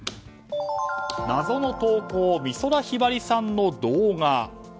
謎の投稿、美空ひばりさんの動画。